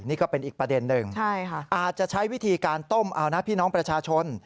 นี่ก็เป็นอีกประเด็นหนึ่งอาจจะใช้วิธีการต้มเอานะพี่น้องประชาชน